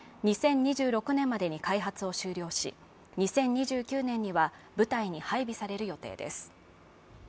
２０２６年までに開発を終了し、２０２９年には部隊に配備される予定です。